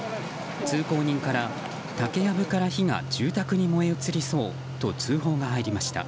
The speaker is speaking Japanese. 通行人から、竹やぶから火が住宅に燃え移りそうと通報が入りました。